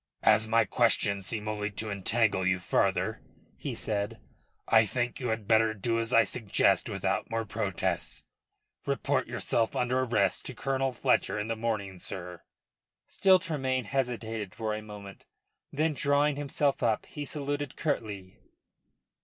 "As my questions seem only to entangle you further," he said, "I think you had better do as I suggest without more protests: report yourself under arrest to Colonel Fletcher in the morning, sir." Still Tremayne hesitated for a moment. Then drawing himself up, he saluted curtly.